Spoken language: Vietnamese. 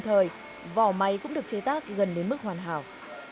thế nhưng chỉ bảo hành tại cửa hàng